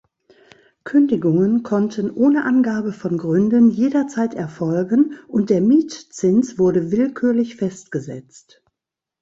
Kündigungen konnten ohne Angabe von Gründen jederzeit erfolgen und der Mietzins wurde willkürlich festgesetzt.